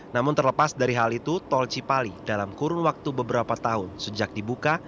namun terlepas dari hal itu tol cipali dalam kurun waktu beberapa tahun sejak dibuka